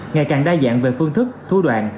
ngày càng đa dạng về phương thức thua đoạn